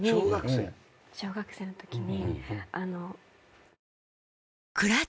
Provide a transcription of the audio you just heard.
小学生のときに。